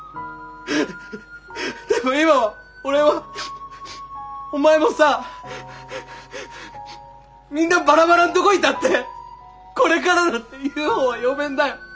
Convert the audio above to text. でも今は俺はお前もさみんなバラバラんとごいたってこれからだってＵＦＯは呼べんだよ。